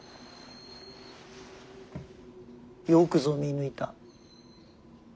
よくぞ見抜いた。